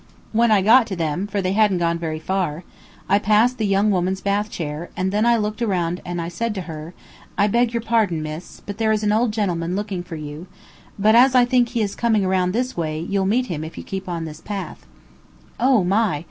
When I got to them, for they hadn't gone very far, I passed the young woman's bath chair, and then I looked around and I said to her, "I beg your pardon, miss, but there is an old gentleman looking for you; but as I think he is coming round this way, you'll meet him if you keep on this path." "Oh, my!"